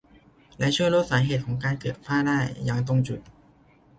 และช่วยลดสาเหตุของการเกิดฝ้าได้อย่างตรงจุด